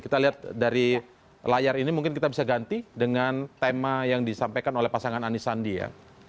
kita lihat dari layar ini mungkin kita bisa ganti dengan tema yang disampaikan oleh pasangan anisandi ya